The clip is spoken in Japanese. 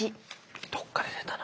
どっかで出たな。